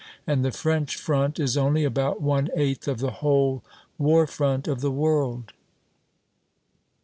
And the French front is only about one eighth of the whole war front of the world.